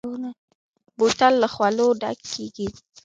بوتل له خولو ډک کېږي.